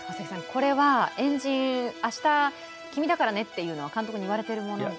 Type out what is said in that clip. これは円陣、明日、君だからねって監督に言われてるものですか？